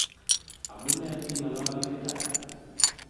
amune si ng'oloni chechang'?